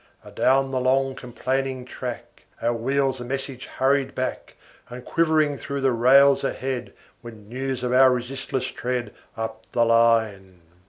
Adown the long, complaining track, Our wheels a message hurried back; And quivering through the rails ahead, Went news of our resistless tread, Up the line.